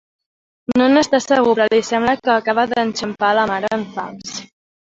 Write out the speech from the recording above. No n'està segur, però li sembla que acaba d'enxampar la mare en fals.